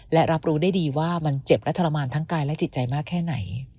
และรับรู้ได้ดีว่ามันเจ็บและทรมานทั้งกายและจิตใจมากแค่ไหน